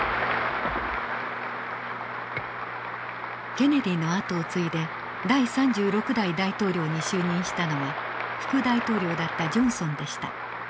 ケネディの後を継いで第３６代大統領に就任したのは副大統領だったジョンソンでした。